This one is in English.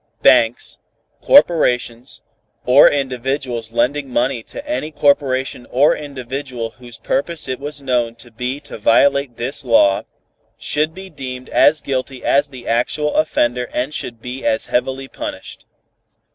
Banks, corporations or individuals lending money to any corporation or individual whose purpose it was known to be to violate this law, should be deemed as guilty as the actual offender and should be as heavily punished.